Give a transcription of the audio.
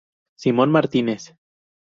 Simón Martínez.